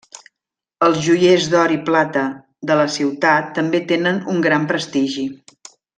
Els joiers d'or i plata de la ciutat també tenen un gran prestigi.